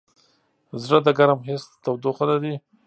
زړه د ګرم حس تودوخه لري.